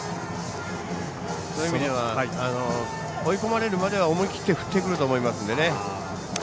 そういう意味では追い込まれるまでは思い切り振ってくると思いますのでね。